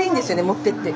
持ってって。